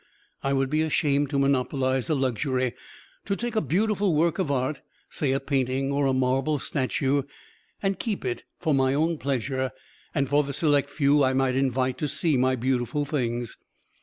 I would be ashamed to monopolize a luxury to take a beautiful work of art, say a painting or a marble statue, and keep it for my own pleasure and for the select few I might invite to see my beautiful things.